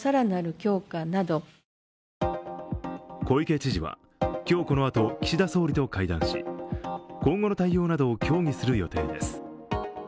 小池知事は今日このあと、岸田総理と会談し、今後の対応などを協議する予定です。